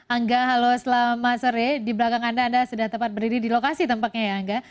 angga halo selamat sore di belakang anda anda sudah tepat berdiri di lokasi tempatnya ya angga